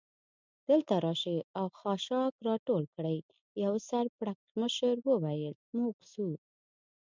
دلته راشئ او خاشاک را ټول کړئ، یوه سر پړکمشر وویل: موږ ځو.